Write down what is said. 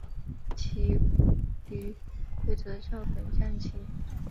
其余规则照本将棋。